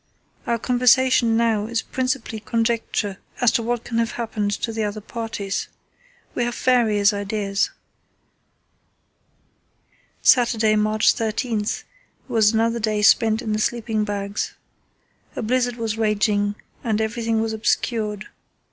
Our conversation now is principally conjecture as to what can have happened to the other parties. We have various ideas." Saturday, March 13, was another day spent in the sleeping bags. A blizzard was raging and everything was obscured.